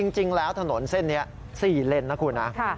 จริงแล้วถนนเส้นนี้๔เลนนะคุณนะ